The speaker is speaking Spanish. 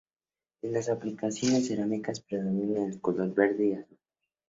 En las aplicaciones cerámicas predominan el color verde y azul.